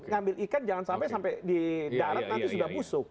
ngambil ikan jangan sampai sampai di darat nanti sudah busuk